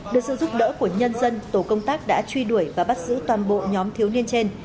được sự giúp đỡ của nhân dân tổ công tác đã truy đuổi và bắt giữ toàn bộ nhóm thiếu niên trên